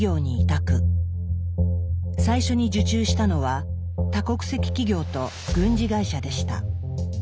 最初に受注したのは多国籍企業と軍事会社でした。